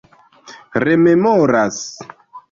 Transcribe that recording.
rememoras